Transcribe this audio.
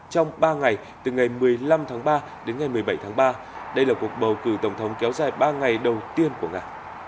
trong ba ngày từ ngày một mươi năm tháng ba đến ngày một mươi bảy tháng ba đây là cuộc bầu cử tổng thống kéo dài ba ngày đầu tiên của nga